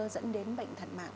dẫn đến bệnh thật mạng